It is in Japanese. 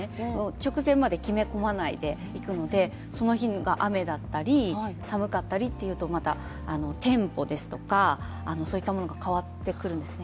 直前まで決め込まないでいくので、その日が雨だったり、寒かったりっていうとまたテンポですとか、そういったものが変わってくるんですね。